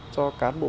cho cán bộ